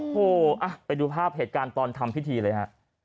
โอ้โหไปดูภาพเหตุการณ์ตอนทำพิธีเลยฮะ